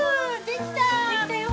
できたよ。